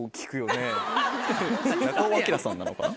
中尾彬さんなのかな？